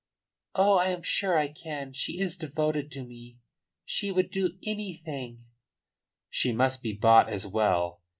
"Oh, I am sure I can. She is devoted to me; she would do anything " "She must be bought as well.